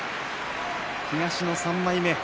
東の３枚目。